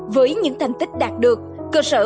với những thành tích đạt được cơ sở